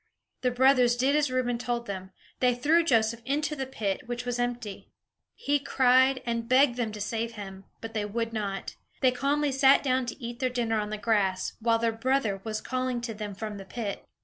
The brothers did as Reuben told them; they threw Joseph into the pit, which was empty. He cried, and begged them to save him; but they would not. They calmly sat down to eat their dinner on the grass, while their brother was calling to them from the pit.